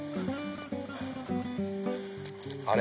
あれ？